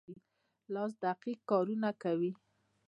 لاس دقیق کارونه کوي.